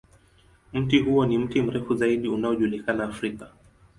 Mti huo ni mti mrefu zaidi unaojulikana Afrika.